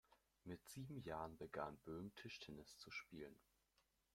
Mit sieben Jahren begann Böhm Tischtennis zu spielen.